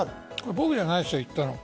僕じゃないですよ、言ったの。